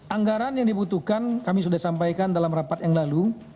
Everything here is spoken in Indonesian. anggaran yang dibutuhkan kami sudah sampaikan dalam rapat yang lalu